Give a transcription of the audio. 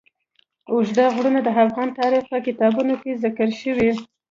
اوږده غرونه د افغان تاریخ په کتابونو کې ذکر شوی دي.